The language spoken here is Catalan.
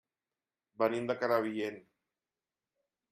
Venim de Crevillent.